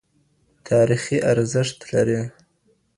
تاريخي ارزښت لري.